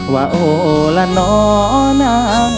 ว่าโอละนอน้ำเอย